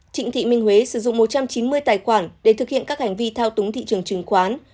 trịnh thị minh huế sử dụng một trăm chín mươi tài khoản để thực hiện các hành vi thao túng thị trường chứng khoán